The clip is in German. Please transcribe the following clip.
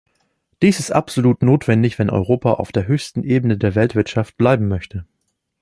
Dies ist absolut notwendig, wenn Europa auf der höchsten Ebene der Weltwirtschaft bleiben möchte.